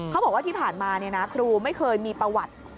เขาบอกว่าที่ผ่านมาครูไม่เคยมีประวัติ